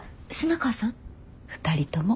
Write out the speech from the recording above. ２人とも。